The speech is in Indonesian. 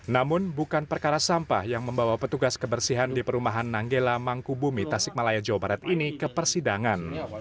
namun bukan perkara sampah yang membawa petugas kebersihan di perumahan nanggela mangkubumi tasikmalaya jawa barat ini ke persidangan